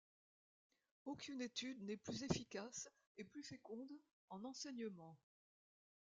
Aucune étude n’est plus efficace et plus féconde en enseignements.